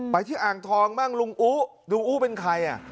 ไปที่อ่างทองมั่งลุงอู่ลุงอู่เป็นใคร